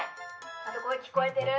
あと声聞こえてる？